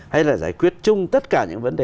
hay là giải quyết chung tất cả những vấn đề